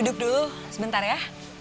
duduk dulu sebentar ya